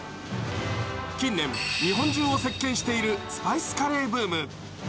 近年、日本中を席巻しているスパイスカレーブーム。